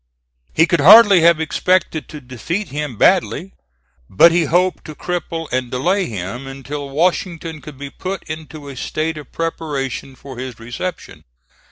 He could hardly have expected to defeat him badly, but he hoped to cripple and delay him until Washington could be put into a state of preparation for his reception.